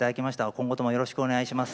今後ともよろしくお願いします。